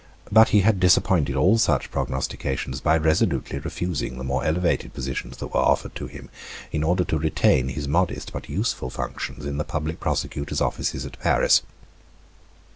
But he had disappointed all such prognostications by resolutely refusing the more elevated positions that were offered to him, in order to retain his modest but useful functions in the public prosecutor's offices at Paris.